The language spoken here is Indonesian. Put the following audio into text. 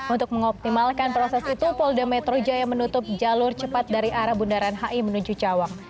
untuk mengoptimalkan proses itu polda metro jaya menutup jalur cepat dari arah bundaran hi menuju cawang